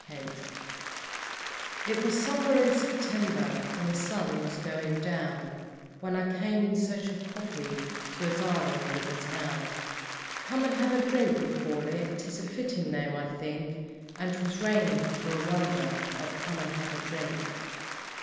Sweeney It was somewhere in September, and the sun was going down, When I came, in search of 'copy', to a Darling River town; 'Come and have a drink' we'll call it 'tis a fitting name, I think And 'twas raining, for a wonder, up at Come and have a drink.